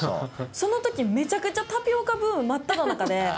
その時めちゃくちゃタピオカブーム真っただ中で。